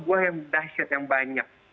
buah yang dahsyat yang banyak